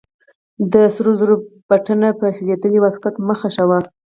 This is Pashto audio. د سرو زرو بټنه په شلېدلې واسکټ مه خښوئ.